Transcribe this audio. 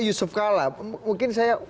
yusuf kala mungkin saya